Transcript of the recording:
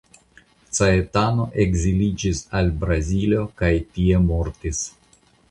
Caetano ekziliĝis al Brazilo kaj tie mortis.